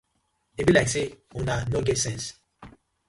E bi layk say uno no get sence.